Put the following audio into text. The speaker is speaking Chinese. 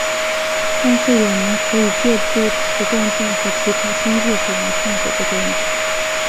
但是我们可以借助磁共振和其他新技术来探索这些问题。